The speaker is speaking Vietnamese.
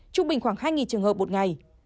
trung bình khoảng hai trường hợp một ngày